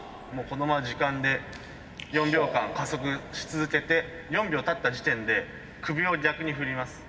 このまま時間で４秒間加速し続けて４秒たった時点で首を逆に振ります。